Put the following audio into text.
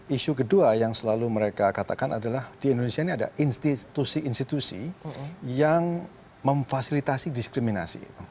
isu kedua yang selalu mereka katakan adalah di indonesia ini ada institusi institusi yang memfasilitasi diskriminasi